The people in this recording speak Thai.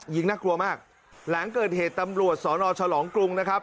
น่ากลัวมากหลังเกิดเหตุตำรวจสนฉลองกรุงนะครับ